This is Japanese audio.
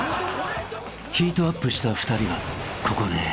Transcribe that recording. ［ヒートアップした２人はここで完全に］